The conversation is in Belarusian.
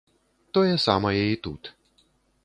Тое самае і тут.